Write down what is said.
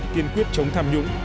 kiên quyết chống tham nhũng